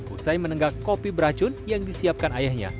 usai menenggak kopi beracun yang disiapkan ayahnya